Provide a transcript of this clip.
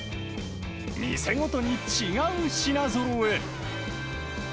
店ごとに違う品ぞろえ。